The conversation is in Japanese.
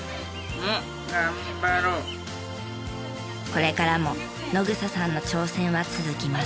これからも野草さんの挑戦は続きます。